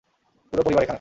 পুরো পরিবার এখানে!